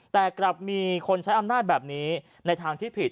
แต่กลับมีคนใช้อำนาจแบบนี้ในทางที่ผิด